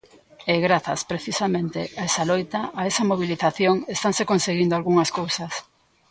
E grazas, precisamente, a esa loita, a esa mobilización, estanse conseguindo algunhas cousas.